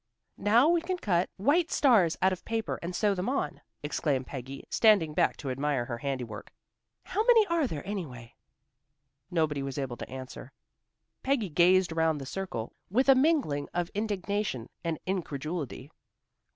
"Now we can cut white stars out of paper and sew them on," exclaimed Peggy, standing back to admire her handiwork. "How many are there, anyway?" Nobody was able to answer. Peggy gazed around the circle with a mingling of indignation and incredulity.